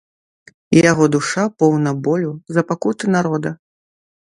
Яго душа поўна болю за пакуты народа.